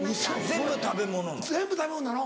全部食べ物なの？